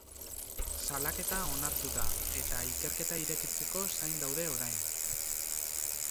Salaketa onartu da, eta ikerketa irekitzeko zain daude orain.